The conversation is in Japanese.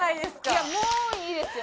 いやもういいですよ